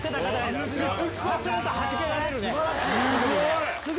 すごい！